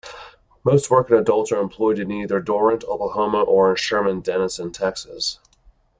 Most working adults are employed in either Durant, Oklahoma or in Sherman-Denison, Texas.